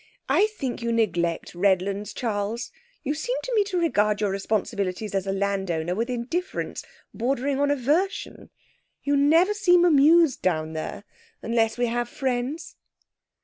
I think you neglect Redlands, Charles. You seem to me to regard your responsibilities as a landowner with indifference bordering on aversion. You never seem amused down there unless we have friends.'